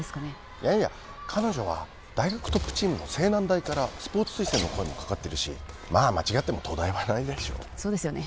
いやいや彼女は大学トップチームの青南大からスポーツ推薦の声もかかってるしまあ間違っても東大はないでしょそうですよね